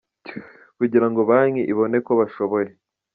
kugira ngo banki ibone ko bashoboye.